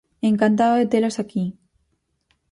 Encantado de telas aquí.